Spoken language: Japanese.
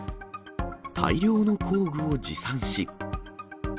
大量の工具を持参し。